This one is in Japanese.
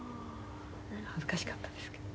恥ずかしかったですけど。